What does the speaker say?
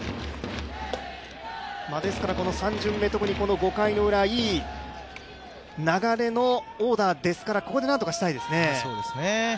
ですから３巡目、特に５回のウラ、いい流れのオーダーですからここで何とかしたいですね。